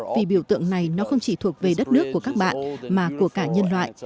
vì biểu tượng này nó không chỉ thuộc về đất nước của các bạn mà của cả nhân loại